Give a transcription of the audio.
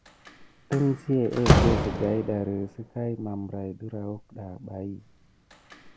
Ənzia egge zega ɗari si kan mabarain dirayuck dapay.